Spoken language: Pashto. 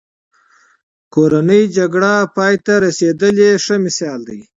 د کورنۍ جګړې پای ته رسېدل یې ښه مثال دی.